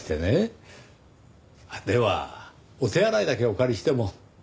ではお手洗いだけお借りしても？